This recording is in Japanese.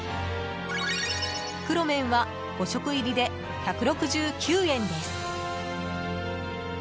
袋麺は５食入りで１６９円です。